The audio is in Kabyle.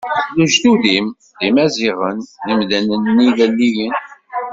Lejdud-im d Imaziɣen, imdanen-nni ilelliyen.